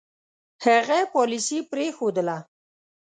هغه پالیسي پرېښودله.